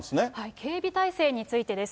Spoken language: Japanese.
警備体制についてです。